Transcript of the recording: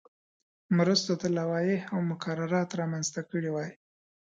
مرستو ته لوایح او مقررات رامنځته کړي وای.